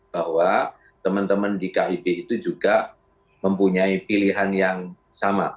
bahwa teman teman di kib itu juga mempunyai pilihan yang sama